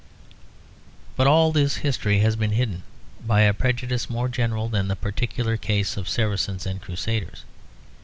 But all this history has been hidden by a prejudice more general than the particular case of Saracens and Crusaders.